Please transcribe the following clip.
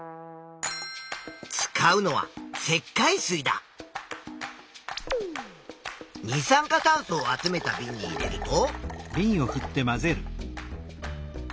使うのは二酸化炭素を集めたびんに入れると。